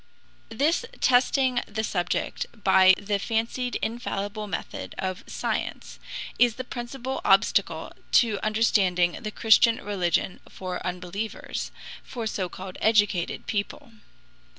This testing the subject by the fancied infallible method of science is the principal obstacle to understanding the Christian religion for unbelievers, for so called educated people.